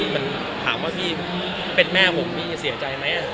บิ๊คขังว่าที่เป็นแม่แล้วพี่จะเสียใจไหม